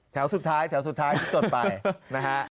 แถวสุดท้ายแถวสุดท้ายที่จดไปนะฮะ